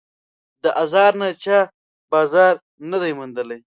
د آزار نه چا بازار نه دی موندلی